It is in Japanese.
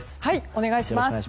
お願いします。